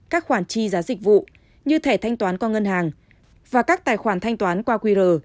các khoản chi giá dịch vụ như thẻ thanh toán qua ngân hàng và các tài khoản thanh toán qua qr